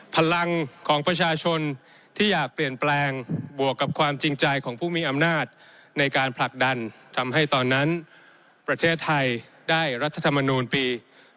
พลังของประชาชนที่อยากเปลี่ยนแปลงบวกกับความจริงใจของผู้มีอำนาจในการผลักดันทำให้ตอนนั้นประเทศไทยได้รัฐธรรมนูลปี